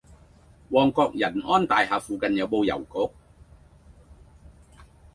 旺角仁安大廈附近有無郵局？